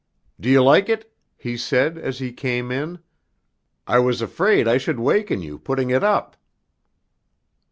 "Do you like it?" he said, as he came in. "I was afraid I should waken you putting it up."